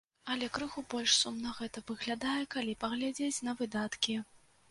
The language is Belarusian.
Але крыху больш сумна гэта выглядае, калі паглядзець на выдаткі.